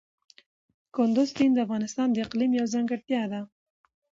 کندز سیند د افغانستان د اقلیم یوه ځانګړتیا ده.